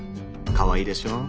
かわいいでしょ？